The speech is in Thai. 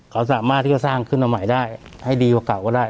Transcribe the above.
เขาสามารถที่จะสร้างขึ้นมาใหม่ได้ให้ดีกว่าเก่าก็ได้